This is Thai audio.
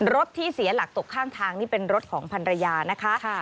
รถที่เสียหลักตกข้างทางนี่เป็นรถของพันรยานะคะ